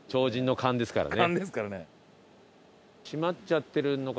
勘ですからね。